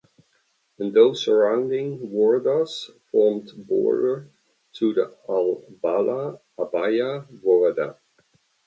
And those surrounding woredas formed border to the Abala Abaya woreda.